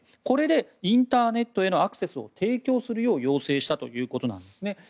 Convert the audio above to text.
これでインターネットへのアクセスを提供するよう要請したということなんですね。